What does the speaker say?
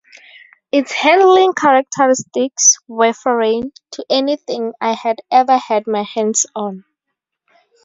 Its handling characteristics were foreign to anything I had ever had my hands on.